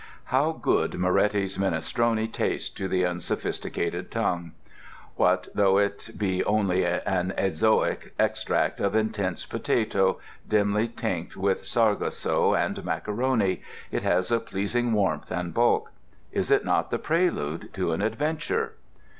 How good Moretti's minestrone tastes to the unsophisticated tongue. What though it be only an azoic extract of intense potato, dimly tinct with sargasso and macaroni—it has a pleasing warmth and bulk. Is it not the prelude to an Adventure?